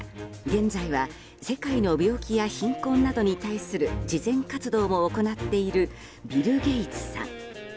現在は世界の病気や貧困などに対する慈善活動を行っているビル・ゲイツさん。